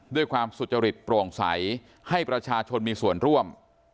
ด้วยความสุจริตโปร่งใสให้ประชาชนมีส่วนร่วม